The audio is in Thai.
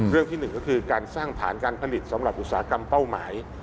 ที่หนึ่งก็คือการสร้างฐานการผลิตสำหรับอุตสาหกรรมเป้าหมาย